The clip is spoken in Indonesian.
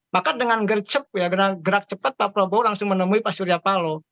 maka dengan gerak cepat pak prabowo langsung menemui pak suryapalo